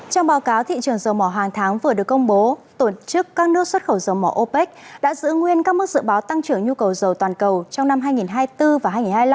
trong báo cáo thị trường dầu mỏ hàng tháng vừa được công bố tổ chức các nước xuất khẩu dầu mỏ opec đã giữ nguyên các mức dự báo tăng trưởng nhu cầu dầu toàn cầu trong năm hai nghìn hai mươi bốn và hai nghìn hai mươi năm